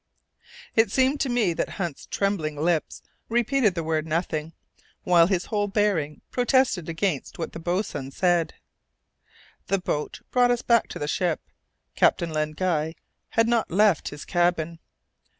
It seemed to me that Hunt's trembling lips repeated the word "nothing," while his whole bearing protested against what the boatswain said. The boat brought us back to the ship. Captain Len Guy had not left his cabin.